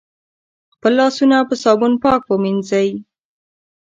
خپل لاسونه په صابون پاک ومېنځی